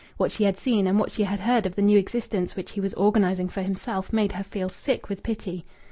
What she had seen, and what she had heard of the new existence which he was organizing for himself made her feel sick with pity.